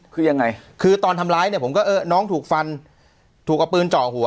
คือยังไงคือตอนทำร้ายเนี่ยผมก็เออน้องถูกฟันถูกเอาปืนเจาะหัว